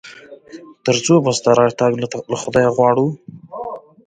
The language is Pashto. تر څو به ستا راتګ له خدايه غواړو ؟